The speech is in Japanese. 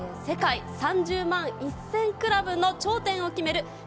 世界３０万１０００クラブの頂点を決める